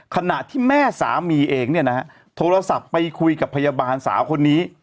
ขณะที่แม่สามีเองเนี่ยนะฮะโทรศัพท์ไปคุยกับพยาบาลสาวคนนี้